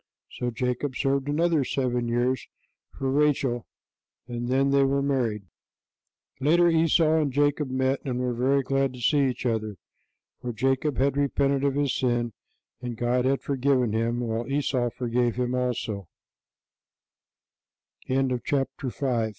So Jacob served another seven years for Rachel, and then they were married. Later Esau and Jacob met and were very glad to see each other, for Jacob had repented of his sin, and God had forgiven him; while Esau forgave him also. [Illustration: ISAAC BLESSING JACOB.] THE APOSTLE PAUL.